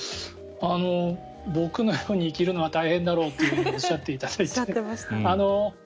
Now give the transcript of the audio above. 僕のように生きるのは大変だろうっておっしゃっていただいて。